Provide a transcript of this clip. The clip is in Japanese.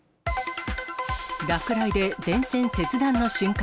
落雷で電線切断の瞬間。